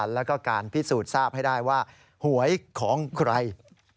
แล้วก็การพิสูจน์ทราบให้ได้ว่าหวยของใคร